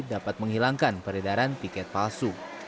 dapat menghilangkan peredaran tiket palsu